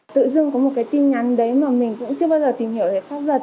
tự dưng có một cái tin nhắn đấy mà mình cũng chưa bao giờ tìm hiểu về pháp luật